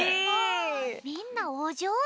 みんなおじょうず！